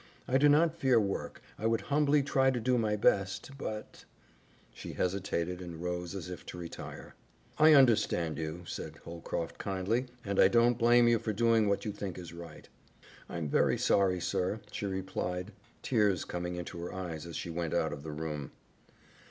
I do not fear work, I would humbly try to do my best, but " She hesitated and rose as if to retire. "I understand you," said Holcroft kindly, "and I don't blame you for doing what you think is right." "I'm very sorry, sir," she replied, tears coming into her eyes as she went out of the room.